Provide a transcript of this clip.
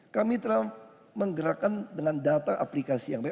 kami telah menggerakkan dengan data aplikasi yang baik